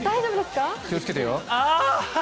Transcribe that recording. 気をつけてよ。